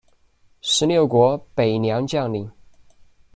十六国北凉将领。